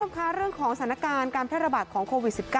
ขอบคุณค่ะเรื่องของสถานการณ์การแทรบาทของโควิด๑๙